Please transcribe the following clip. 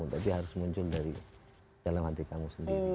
tapi harus muncul dari dalam hati kamu sendiri